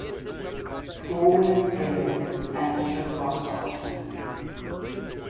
Four-wheel steering is an extra-cost option.